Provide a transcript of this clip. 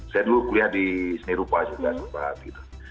saya dulu kuliah di seni rupa juga sempat gitu